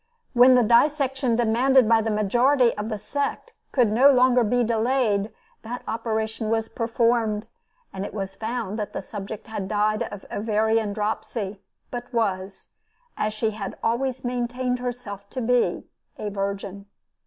When the dissection demanded by the majority of the sect could no longer be delayed, that operation was performed, and it was found that the subject had died of ovarian dropsy; but was as she had always maintained herself to be a virgin.